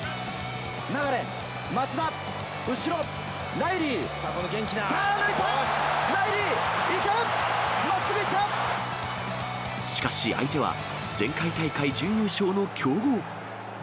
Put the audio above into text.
流、松田、後ろ、ライリー、さあ、抜いた、ライリー、いけ、しかし、相手は前回大会準優勝の強豪。